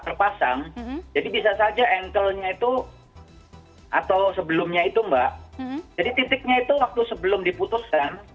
terpasang jadi bisa saja antle nya itu atau sebelumnya itu mbak jadi titiknya itu waktu sebelum diputuskan